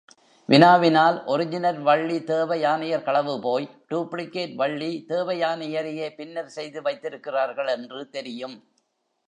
வினாவினால் original Valli தேவயானையர் களவு போய் டூப்ளிகேட் வள்ளி தேவயானையரையே பின்னர் செய்து வைத்திருக்கிறார்கள் என்று தெரியும்.